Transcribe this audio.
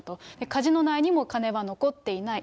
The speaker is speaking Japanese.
カジノ内にも金は残っていない。